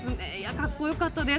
かっこ良かったです。